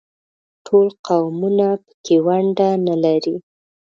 ټول قومونه په کې ونډه نه لري.